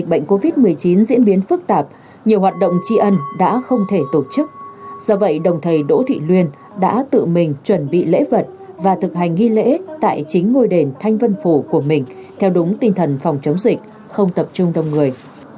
bệnh covid một mươi chín diễn biến phức tạp nhiều hoạt động tri ân đã không thể tổ chức do vậy đồng thầy đỗ thị luyên đã tự mình chuẩn bị lễ vật và thực hành nghi lễ tại chính ngôi đền thanh vân phủ của mình theo đúng tinh thần phòng chống dịch không tập trung đông người